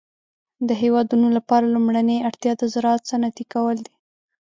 د هيوادونو لپاره لومړنۍ اړتيا د زراعت صنعتي کول دي.